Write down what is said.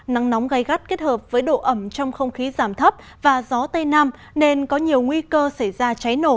nắng nóng gai gắt kết hợp với độ ẩm trong không khí giảm thấp và gió tây nam nên có nhiều nguy cơ xảy ra cháy nổ